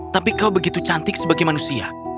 tapi kau begitu cantik sebagai manusia